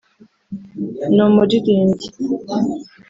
Ni umuririmbyi